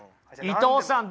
伊藤さん